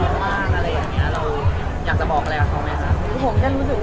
เขาบ้างอะไรอย่างเงี้ยเราอยากจะบอกอะไรกับเขามีคุณผมกันรู้สึก